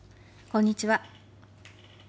こんにちは。